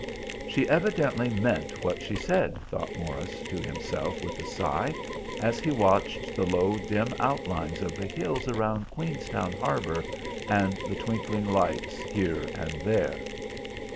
"She evidently meant what she said," thought Morris to himself, with a sigh, as he watched the low, dim outlines of the hills around Queenstown Harbour, and the twinkling lights here and there.